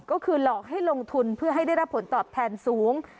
ก็คือหลอกให้ลงทุนเพื่อให้ได้รับผลตอบแทนสูง